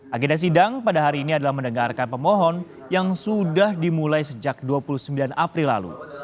agenda sidang pada hari ini adalah mendengarkan pemohon yang sudah dimulai sejak dua puluh sembilan april lalu